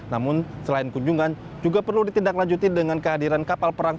namun selain kunjungan juga perlu ditindaklanjuti dengan kehadiran kapal perang